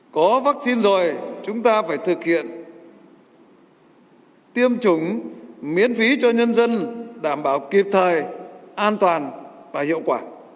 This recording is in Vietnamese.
có vaccine rồi chúng ta phải thực hiện tiêm chủng miễn phí cho nhân dân đảm bảo kịp thời an toàn và hiệu quả